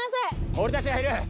俺たちがいる。